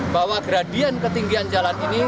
bahwa geradian ketinggian jalan ini